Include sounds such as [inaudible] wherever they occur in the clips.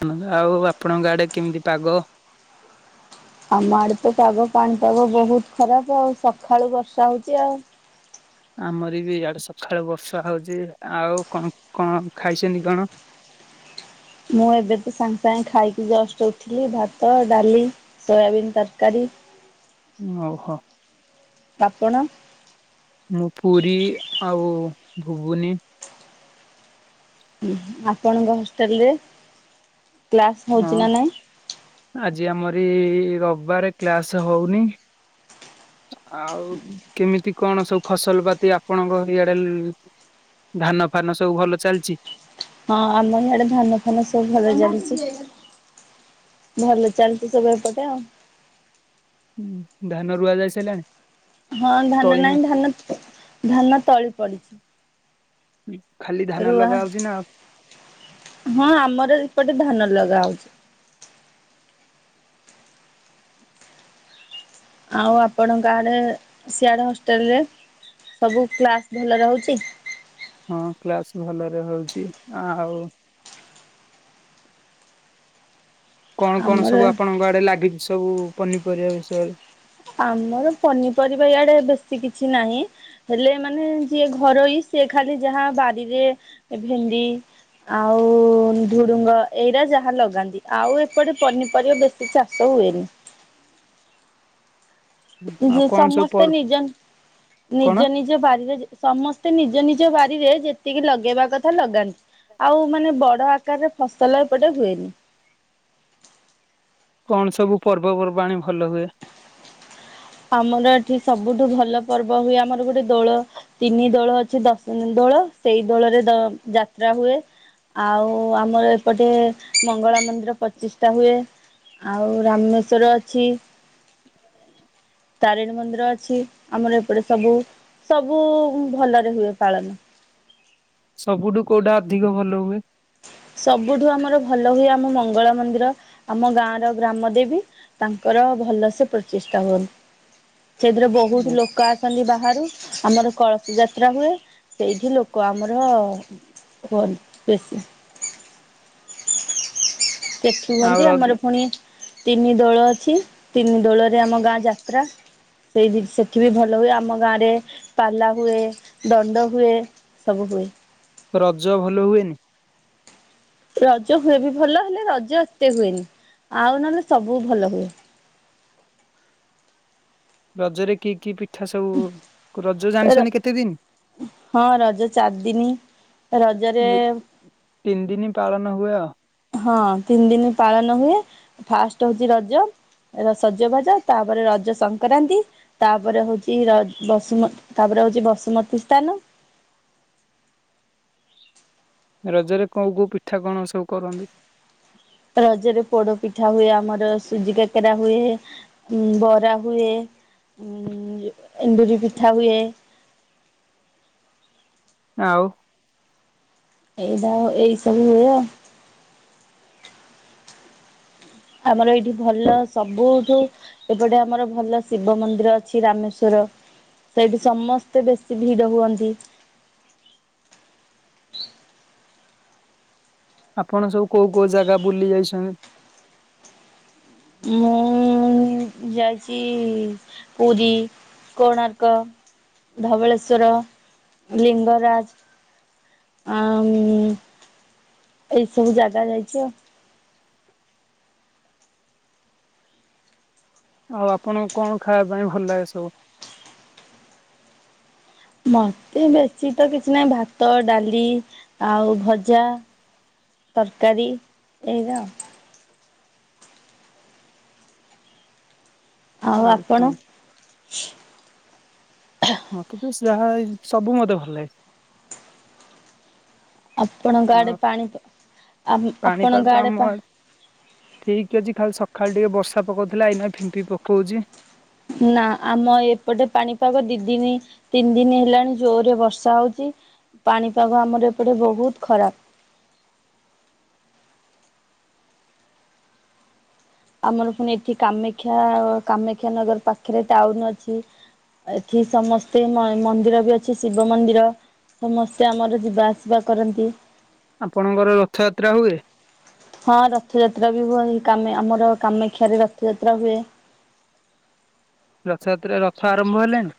[unintelligible] ଆଉ ଆପଣଙ୍କ ଆଡ଼େ କେମିତି ପାଗ। ଆମ ଆଡେ ତ ପାଗ ପାଣିପାଗ ବୋହୁତ ଖରାପ ଆଉ ସଖାଳୁ ବର୍ଷା ହୋଉଚି ଆଉ। ଆମରି ବି ଇଆଡ଼େ ସଖାଳୁ ବର୍ଷା ହଉଚି ଆଉ କଁ କଣ ଖାଇସନ୍ତି କଣ। ମୁଁ ଏବେ ତ ସାଙ୍ଗେ ସାଙ୍ଗେ ଖାଇକି ଜଷ୍ଟ ଉଠିଲି ଭାତ ଡାଲି ସୋୟାବିନ୍ ତରକାରୀ। [unintelligible] ତ ଆପଣ। ମୁଁ ପୁରୀ ଆଉ ଭୁବୁନି। ଉଁହୁଁ ଆପଣଙ୍କ ହଷ୍ଟେଲ ରେ କ୍ଲାସ ହଁ ହୋଉଚି ନା ନାଇଁ। ଆଜି ଆମରି ରବାର କ୍ଲାସ ହୋଉନି। ଆଉ କେମିତି କଣ ସବୁ ଫସଲ ପାତି ଆପଣଙ୍କ ଇଆଡେ ଲ ଧାନ ଫାନ ସବୁ ଭଲ ଚାଲିଚି। ହଁ ଆମ ଇଆଡେ ଧାନ ଫାନ ସବୁ ଭଲ ଚାଲିଚି। ଭଲ ଚାଲିଛି ସବୁ ଏପଟେ ଆଉ। ହୁଁ ଧାନ ରୁଆ ଯାଇ ସାରିଲାଣି? ହଁ ଧାନ ତଳିମା ନାଇଁ ଧାନ ଧାନ ତଳି ପଡିଛି। ଖାଲି ଧାନ ରୁଆ ଲଗା ହଉଚି ନା ହଁ ଆମର ଏପଟେ ଧାନ ଲଗା ହଉଛି। ଆଉ ଆପଣଙ୍କଆଡ଼େ ସିଆଡ଼େ ହଷ୍ଟେଲରେ ସବୁ କ୍ଲାସ୍ ଭଲରେ ହଉଚି? ହଁ କ୍ଲାସ ଭଲରେ ହଉଛି ଆଉ କଣ କଣ ଆମର ସବୁ ଆପଣଙ୍କ ଆଡେ ଲାଗିଛି ସବୁ ପନିପରିବା ବିଷୟରେ? ଆମର ପନିପରିବା ଇଆଡେ ବେଶୀ କିଛି ନାହିଁ। ହେଲେ ମାନେ ଯିଏ ଘରୋଇ ସିଏ ଖାଲି ଯାହା ବାରିରେ ଭେଣ୍ଡି ଆଉ ଧୁଡୁଙ୍ଗ ଏଇଟା ଯାହା ଲଗାନ୍ତି ଆଉ ଏପଟେ ପନିପରିବା ବେଶ ସେ ଚାଷ ହୁଏନି। ଜି ଆଉ କଣ ସବୁ ସମସ୍ତେ ପର୍ ନିଜ କଣ ନିଜ ନିଜ ବାରିରେ ଯେ ସମସ୍ତେ ନିଜ ନିଜ ବାରିରେ ଯେତିକି ଲଗେଇବା କଥା ଲଗାନ୍ତି। ଆଉ ମାନେ ବଡ ଆକାରରେ ଫସଲ ଏପଟେ ହୁଏନି। କଣ ସବୁ ପର୍ବପର୍ବାଣୀ ଭଲ ହୁଏ? ଆମର ଏଠି ସବୁଠୁ ଭଲ ପର୍ବ ହୁଏ ଆମର ଗୋଟେ ଦୋଳ ତିନି ଦୋଳ ଅଛି ଦଶ ଦୋଳ ସେଇ ଦଳରେ ଦ ଯାତ୍ରା ହୁଏ। ଆଉ ଆମର ଏପଟେ ମଙ୍ଗଳା ମନ୍ଦିର ପଚିଷ୍ଟା ହୁଏ। ଆଉ ରାମନେ ଶ୍ବର ଅଛି। ତାରିଣୀ ମନ୍ଦିର ଅଛି ଆମର ଏପଟେ ସବୁ ସବୁ ଭଲରେ ହୁଏ ପାଳନ। ସବୁଠୁ କୋଉଟା ଅଧିକ ଭଲ ହୁଏ? ସବୁଠୁ ଆମର ଭଲ ହୁଏ ଆମ ମଙ୍ଗଳ ମନ୍ଦିର ଆମ ଗାଁ ର ଗ୍ରାମ ଦେବୀ। ତାଙ୍କର ଭଲସେ ପ୍ରଚେଷ୍ଟା ହୁଅନ ସେଥିରେ ବହୁତ୍ ଲୋକ ଛନ୍ତି ବାହାରୁ ଆମର କଳସ ଯାତ୍ରା ହୁଏ ସେଇଠି ଲୋକ ଆମର ଖୁଅନି ବେଶୀ। ଦେଖି ଆଉ ତତେହୁଅନ୍ତି ରଜ ଆମର ପୁଣି ତିନି ଦୋଳ ଅଛି ତିନି ଦୋଳରେ ଆମ ଗାଁ ଯାତ୍ରା। ସେଇ ସେଠି ବି ଭଲ ହୁଏ ଆମ ଗାଁରେ ପାଲା ହୁଏ ଦଣ୍ଡ ହୁଏ। ସବୁ ହୁଏ। ରଜ ଭଲ ହୁଏନି? ରଜ ହୁଏ ବି ଭଲ ହେଲେ ରଜ ଏତେ ହୁଏନି ଆଉ ନହେଲେ ସବୁ ଭଲ ହୁଏ। ରଜରେ କି କି ପି ଦିନ? ହଁ ରଜ ଚାରି ଦିନି। ରଜରେ ତିନି ଦିନି ପାଳନ ହୁଏ। ହଁ ତିନି ଦିନି ପାଳନ ହୁଏ ଫାଷ୍ଟ ହଉଛି ରଜ। ର ସଜ ବାଜ ତାପରେ ରଜ ସଂକ୍ରାନ୍ତି। ତାପରେ ହଉଚି ର ବସୁମତୀ ତାପରେ ହଉଚି ବସୁମତୀ ସ୍ଥାନ। ରଜରେ କୋଉ କୋଉ ପିଠା କଣ ସବୁ କରନ୍ତି? ରଜରେ ପୋଡ ପିଠା ହୁଏ ଆମର ସୁଜି କାକେରା ହୁଏ। ଉ ବରା ହୁଏ ଉ ଏଣ୍ଡୁରି ପିଠା ହୁଏ। ଆଉ। ଏଇ ସବୁ ଏଇ ସବୁ ହୁଏ ଆଉ। ଆମର ଏଇଠି ଭଲ ସବୁଠୁ ଏପଟେ ଆମର ଭଲ ଶିବ ମନ୍ଦିର ଅଛି ରାମେଶ୍ଵର। ସେଇଠି ସମସ୍ତେ ବେଶୀ ଭିଡ ହୁଅନ୍ତି। ଆପଣ ସବୁ କୋଉ କୋଉ ଜାଗା ବୁଲି ଯାଇଛନ୍ତି? ମୁଁ। ଉ ଯାାଇଚି ପୁରୀ କଣାର୍କ ଧବଳେଶ୍ଵର ଲିଙ୍ଗରାଜ। ଅ ମ୍ ଏଇସବୁ ଜାଗା ଯାଇଛି ଆଉ। ଆଉ ଆପଣଙ୍କୁ କଣ ଖାଇବା ପାଇଁ ଭଲ ଲାଗେ ସବୁ? ମତେ ବେଶୀ ତ କିଛି ନାହିଁ ଭାତ ଡାଲି ଆଉ ଭଜା ତରକାରୀ ଏଇରା ଆଉ। ଆଉ ଆପଣ? ମତେ ତ ଯାହା ଏଇ ସବୁ ମତେ ଭଲ ଲାଗେ। ଆପଣଙ୍କ ଆଡେ ଆଉ ପାଣି ପ ଆମେ ଆପଣଙ୍କଡେ ପା ଠିକ୍ ଅଛି ଖାଲି ସକାଳୁ ଟିକେ ବର୍ଷା ପକଉଥିଲା ଏଇନା ଫିମ୍ପି ପକଉଛି। ନା ଆମ ଏପଟେ ପାଣିପାଗ ଦିଦିନି ତିନି ଦିନି ହେଲାଣି ଜୋରରେ ବର୍ଷା ହଉଚି ପାଣିପାଗ ଆମର ଏପଟେ ବହୁତ ଖରାପ। ଆମର ଫୁଣି ଏଠି କାମେକ୍ଷା କାମେକ୍ଷାନଗର ପାଖେରେ ଟାଉନ ଅଛି ଏଠି ସମସ୍ତେ ମ - ମନ୍ଦିର ବି ଅଛି ଶିବ ମନ୍ଦିର। ସମସ୍ତେ ଆମର ଯିବା ଆସିବା କରନ୍ତି। ଆପଣଙ୍କର ରଥଯାତ୍ରା ହୁଏ? ହଁ ରଥଯାତ୍ରା ବି ହୁଏ କାମେ ଆମର କାମେକ୍ଷାରେ ରଥଯାତ୍ରା ହୁଏ। ରଥଯାତ୍ରା ରଥ ଆରମ୍ଭ ହେଲେଣି?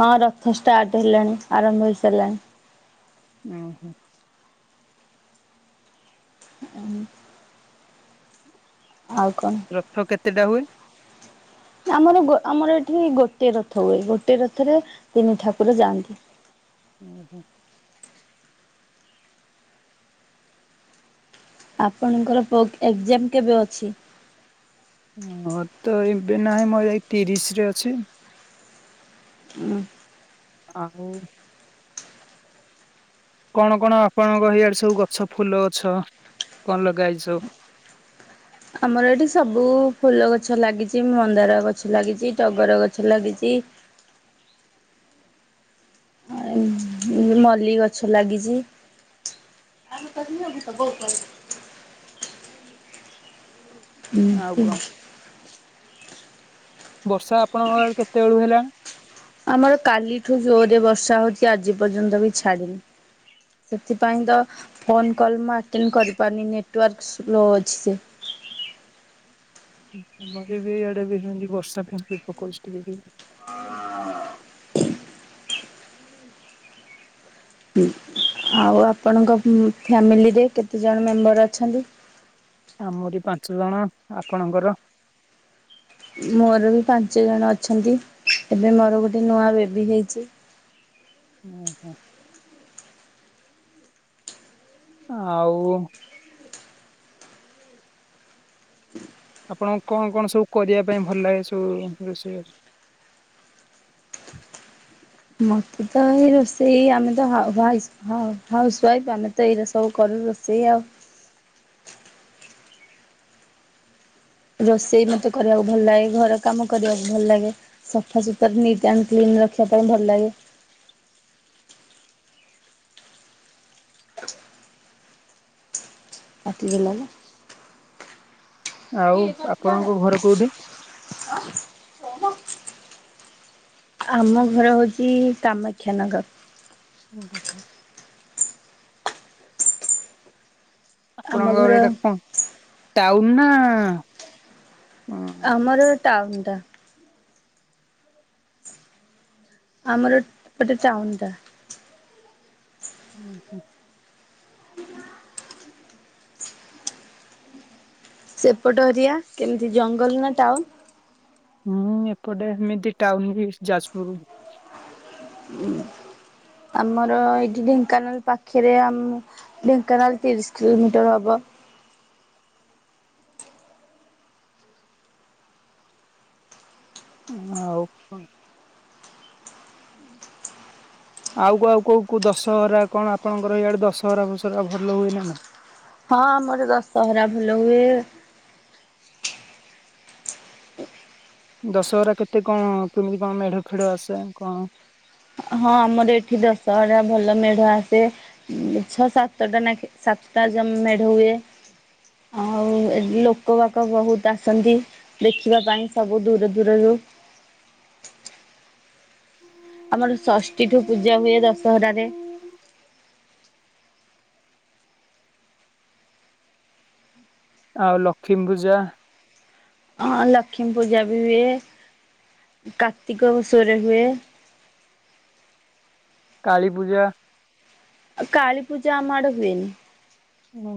ହଁ ରଥ ଷ୍ଟାର୍ଟ ହେଲାଣି ଆରମ୍ଭ ହେଇସାରିଲାଣି। ଉ ହୁଁ। ଉଁ। ଆଉ କଣ? ରଥ କେତେଟା ହୁଏ? ଆମର ଗୋ -ଆମର ଏଠି ଗୋଟେ ରଥ ହୁଏ ଗୋଟେ ରଥରେ ତିନି ଠାକୁର ଯାଆନ୍ତି। ଉ ହୁଁ। ଆପଣଙ୍କର ପୋ - ଏକଜାମ୍ କେବେ ଅଛି? ମୋର ତ ଏବେ ନାହିଁ ମୋର୍ ଯାଇ ତିରିଶ ରେ ଅଛି। ଉଁ। ଆଉ। କଣ କଣ ଆପଣଙ୍କ ହେଇଆଡେ ସବୁ ଗଛ ଫୁଲ ଗଛ କଣ ଲଗାହେଇଚି ସବୁ? ଆମର ଏଠି ସବୁ ଫୁଲ ଗଛ ଲାଗିଚି ମନ୍ଦାର ଗଛ ଲାଗିଚି ଟଗର ଗଛ ଲାଗିଚି ଉଁ -ମଲ୍ଲି ଗଛ ଲାଗିଚି। ଆଗ ତଖନବୁଷ ବହୁତ [inaudible] ହୁଁ ଆଉ କଣ? -ହୁଁ। ବର୍ଷା ଆପଣଙ୍କ ଆଡେ କେତେଏଳୁ ହେଲାଣି? ଆମର କାଲିଠୁ ଜୋର୍ ରେ ବର୍ଷା ହଉଚି ଆଜି ପର୍ଯ୍ୟନ୍ତ ବି ଛାଡିନି। ସେଥିପାଇଁ ତ ଫୋନ କଲ୍ ମୁଁ ଆଟେନ କରିପାରୁନି ନେଟୱାର୍କ ସ୍ଲୋ ଅଛି ଯେ। ଆମର ବି ଇଆଡେ ବି ହେମିତି ବର୍ଷା ଫିମ୍ପି ପକଉଚି ଟିକେ ଟିକେ। ହୁଁ ଆଉ ଆପଣଙ୍କ ଫ୍ୟାମିଲିରେ କେତେ ଜଣ ମେମ୍ବର ଅଛନ୍ତି? ଆମରି ପାଞ୍ଚ ଜଣ। ଆପଣଙ୍କର? ମୋର ବି ପାଞ୍ଚ ଜଣ ଅଛନ୍ତି ଏବେ ମୋର ଗୋଟେ ନୂଆ ବେବି ହେଇଚି। ଓହୁଁ। ଆଉ। ଆପଣଙ୍କୁ କଣ କଣ ସବୁ କରିବା ପାଇଁ ଭଲ ଲାଗେ ସବୁ ରୋଷେଇ ବାସ? ମତେ ତ ଏଇ ରୋଷେଇ ଆମେ ତ ହା - ହ୍ୱାଇସ୍ ହଉ ହାଉସ୍ ୱାଇଫ ଆମେ ତ ଏଇରା ସବୁ କରୁ ରୋଷେଇ ଆଉ। ରୋଷେଇ ମତେ କରିବାକୁ ଭଲ ଲାଗେ ଘର କାମ କରିବାକୁ ଭଲ ଲାଗେ ସଫାସୁତୁର ନିଟ୍ ଆଣ୍ଡ କ୍ଲିନ୍ ରଖିବା ପାଇଁ ଭଲ ଲାଗେ। କାଟି ଦେଲାଲ। ଆଉ ଆପଣଙ୍କ ଘର କୋଉଠି? [inaudible] ଆମ ଘର ହଉଚି କାମାକ୍ଷାନଗର୍। ଉଁ ହୁଁ ହୁଁ। ଆପଣଙ୍କର ଘର ଟା କଣ, ଟାଉନ ନା ଆମର ଏ ଟାଉନ ଟା। ଆମର ଏ ପଟେ ଟାଉନଟା। ଉଁ ହୁଁ। ସେପଟ ଏରିଆ କେମିତି ଜଙ୍ଗଲ୍ ନା ଟାଉନ୍? ହୁଁ ଏପଟେ ଏମିତି ଟାଉନ ବି ଯାଜପୁର ହୁଁ। ଆମର ଏଇଠି ଢେଙ୍କାନାଳ ପାଖରେ ଆ ଢେଙ୍କାନାଳ ତିରିଶ କିଲୋମିଟର ହବ। ହଉ ଆଉ କଣ? ଆଉ କ କଉ କଉ ଦଶହରା କଣ ଆପଣଙ୍କର ଇଆଡେ ଦଶହରା ଫଶହରା ଭଲ ହୁଏ ନା ନାଇ? ହଁ ଆମର ଦଶହରା ଭଲ ହୁଏ। ଦଶହରା କେତେ କଣ କେମିତି କଣ ମେଢ ଖେଢ ଆସେ କଣ? ହଁ ଆମର ଏଠି ଦଶହରା ଭଲ ମେଢ ଆସେ। ଛଅ ସାତଟା ଲେଖା ସାତଟା ମେଢ ହୁଏ। ଆଉ ଏଠି ଲୋକ ପାଖ ବହୁତ ଆସନ୍ତି। ଦେଖିବା ପାଇଁ ସବୁ ଦୂର ଦୂରରୁ। ଆମର ଷଷ୍ଠୀ ଠୁ ପୂଜା ହୁଏ ଦଶହରାରେ। ଆଉ ଲକ୍ଷ୍ମୀ ପୂଜା? ହଁ ଲକ୍ଷ୍ମୀ ପୂଜା ବି ହୁଏ କାର୍ତ୍ତିକ ମାସରେ ହୁଏ। କାଳୀ ପୂଜା? କାଳୀ ପୂଜା ଆମ ଆଡେ ହୁଏନି। ହୁଁ।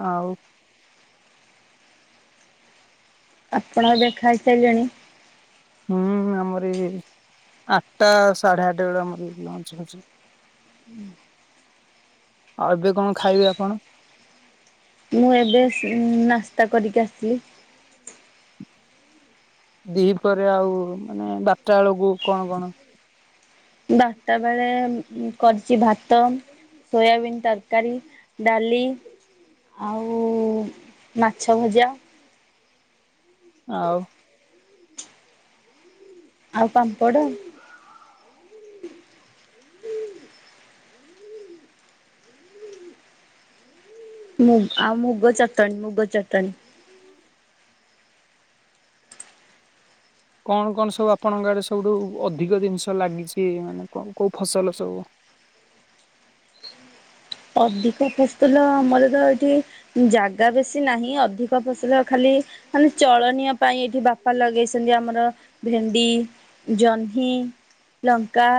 ଆଉ? ଆପଣ ଏବେ ଖାଇ ସାରିଲେଣି? ହୁଁ ଆମରଇ ଆଠଟା ସାଢେ ଆଠ ଟା ବେଳ ଆମର ଲଞ୍ଚ ଅଛି। [inaudible] ଆଉ ଏବେ କଣ ଖାଇବେ ଆପଣ? ମୁଁ ଏବେ ସ୍ ନାସ୍ତା କରିକି ଆସିଲି। ଦି ପହରରେ ଆଉ ଏ ବାରଟା ବେଳକୁ କଣ କଣ? ବାରଟା ବେଳେ କରିଚି ଭାତ। ସୋୟାବିନ ତରକାରୀ, ଡାଲି। ଆଉ ମାଛ ଭଜା। ଆଉ? ଆଉ ପାମ୍ପଡ। ମୁଗ ଆଉ ମୁଗ ଚାଟଣି ମୁଗ ଚଟଣି କଣ କଣ ସବୁ ଆପଣଙ୍କ ଆଡେ ସବୁଠୁ ଅଧିକ ଜିନିଷ ଲାଗିଚି ମାନେ କଣ କୋଉ ଫସଲ ସବୁ? ଅଧିକ ଫସ୍ତଲ ମମର ତ ଏଠି ଜାଗା ବେଶି ନାହିଁ ଅଧିକ ଫସଲ ଖାଲି ଖାଲି ଚଳନୀୟ ପାଇଁ ଏଇଠି ବାପା ଲଗେଇଛନ୍ତି ଆମର ଭେଣ୍ଡି। ଜହ୍ନି, ଲଙ୍କା,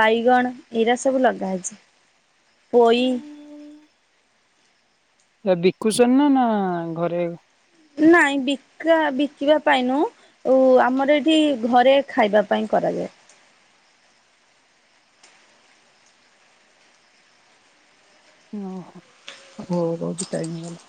ବାଇଗଣ ଏଇରା ସବୁ ଲଗାହେଇଚି। ପୋଇ। ଏ ବିକୁଚନ୍ତି ନା ନା ଘରେ? ନାଇଁ ବିକା ବିକିବା ପାଇଁ ନୁହ। ଓ ଆମର ଏଇଠି ଘରେ ଖାଇବା ପାଇଁ କରାଯାଏ। ଓହୋ ହଉ ରହୁଚି ଟାଇମ ହେଇଗଲା।